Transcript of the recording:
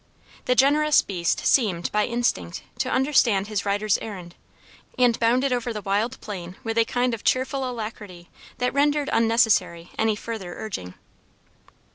The generous beast seemed, by instinct, to understand his rider's errand, and bounded over the wild plain with a kind of cheerful alacrity that rendered unnecessary any further urging.